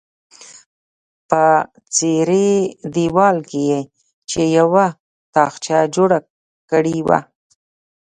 په څیرې دیوال کې یې چې یوه تاخچه جوړه کړې وه.